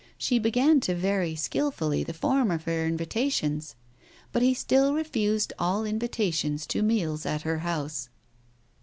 She began to vary skilfully the form of her invitations, but he still refused all invitations to meals at her house.